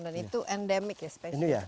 dan itu endemik ya